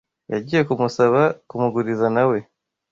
Yagiye Kumusaba kumuguriza nawe